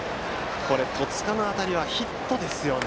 戸塚の当たりはヒットですよね。